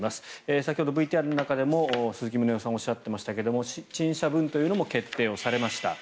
先ほどＶＴＲの中でも鈴木宗男さんがおっしゃっていましたが陳謝文というのも決定をされました。